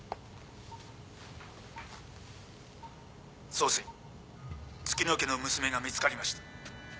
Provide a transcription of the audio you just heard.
総帥月乃家の娘が見つかりました。